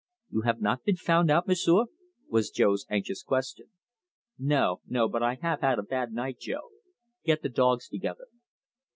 "You have not been found out, M'sieu'?" was Jo's anxious question. "No, no, but I have had a bad night, Jo. Get the dogs together."